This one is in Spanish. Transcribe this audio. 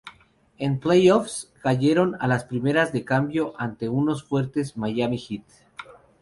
En playoffs, cayeron a las primeras de cambio ante unos fuertes Miami Heat.